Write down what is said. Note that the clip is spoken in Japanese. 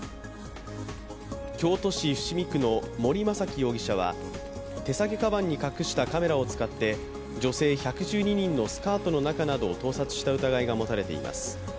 京都市伏見区の森雅紀容疑者は手提げかばんに隠したカメラを使って女性１１２人のスカートの中などを盗撮した疑いが持たれています。